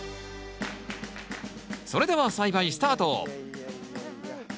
それでは栽培スタート！